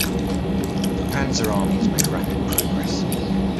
The Panzer armies made rapid progress.